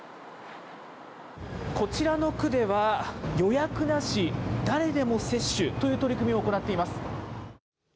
こちらの区では、予約なし、誰でも接種という取り組みを行っています。